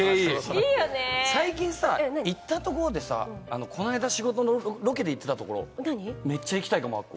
最近さ、行ったところでこの間仕事のロケで行ってたところ、めっちゃ行きたいかも！